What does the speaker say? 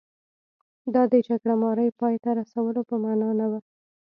دا د جګړه مارۍ پای ته رسولو په معنا نه و.